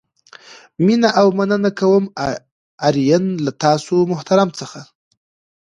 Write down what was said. مینه او مننه کوم آرین له تاسو محترمو څخه.